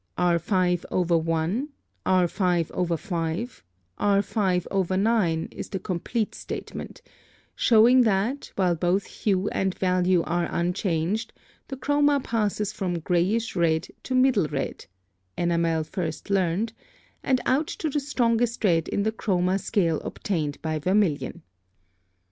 R 5/1, R 5/5, R 5/9, is the complete statement, showing that, while both hue and value are unchanged, the chroma passes from grayish red to middle red (enamel first learned) and out to the strongest red in the chroma scale obtained by vermilion.